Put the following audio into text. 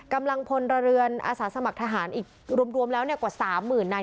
กำลังพลเรือนอาสาสมัครทหารอีกรวมแล้วกว่า๓๐๐๐นาย